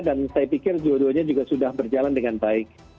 dan saya pikir dua duanya juga sudah berjalan dengan baik